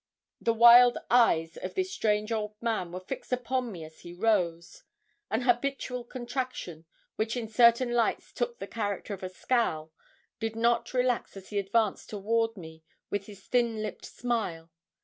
The wild eyes of this strange old man were fixed upon me as he rose; an habitual contraction, which in certain lights took the character of a scowl, did not relax as he advanced toward me with his thin lipped smile.